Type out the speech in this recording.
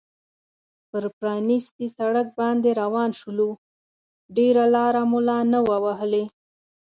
پر پرانیستي سړک باندې روان شولو، ډېره لار مو لا نه وه وهلې.